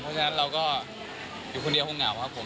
เพราะฉะนั้นเราก็อยู่คนเดียวคงเหงาครับผม